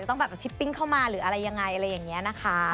ต้องแบบชิปปิ้งเข้ามาหรืออะไรยังไงอะไรอย่างนี้นะคะ